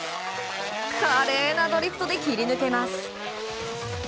華麗なドリフトで切り抜けます。